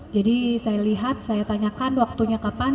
jadi saya lihat saya tanyakan waktunya kapan